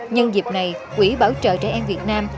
nhân dịp này quỹ bảo trợ trẻ em việt nam